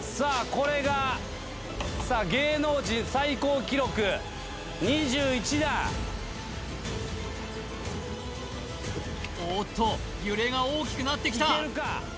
これが芸能人最高記録２１段おっと揺れが大きくなってきた